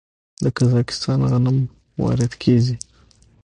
د قزاقستان غنم وارد کیږي.